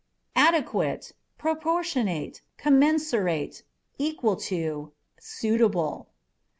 Adequate â€" proportionate, commensurate, equal to, suitable.